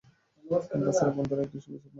ক্যাম্পাসের অভ্যন্তরে একটি সুবিশাল মাঠ রয়েছে।